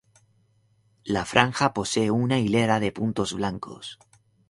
La franja posee una hilera de puntos blancos.